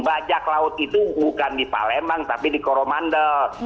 bajak laut itu bukan di palembang tapi di koromandel